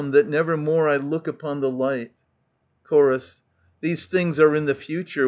That never more I look upon the light. Chor. These things are in the future.